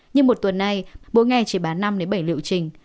nhưng một tuần nay mỗi ngày chỉ bán năm bảy liệu trình